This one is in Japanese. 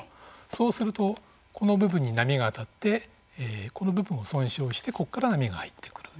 そうすると、この部分に波が当たってこの部分を損傷してここから波が入ってくる。